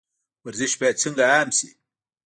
ورزش باید څنګه عام شي؟